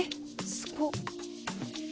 すごっ。